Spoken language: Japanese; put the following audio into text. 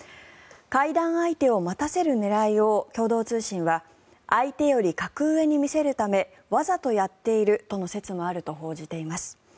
会談相手を待たせる狙いを共同通信は相手より格上に見せるためわざとやっているとの説もあると報じています。